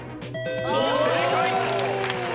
正解！